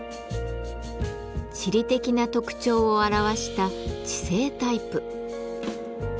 地理的な特徴を表した地勢タイプ。